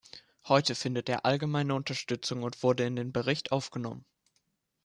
Heute findet er allgemeine Unterstützung und wurde in den Bericht aufgenommen.